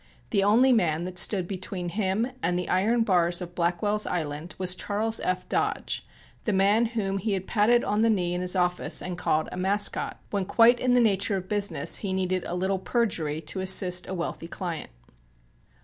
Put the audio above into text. The only man that stood between him and the iron bars of Blackwell's Island was Charles F. Dodge the man whom he had patted on the knee in his office and called a "Mascot," when quite in the nature of business he needed a little perjury to assist a wealthy client.